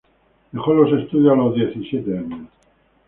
Dejó los estudios a los diecisiete años.